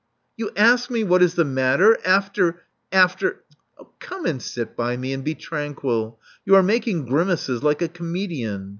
"You ask me what is the matter, after — after " Come and sit by me, and be tranquil. You are making grimaces like a comedian.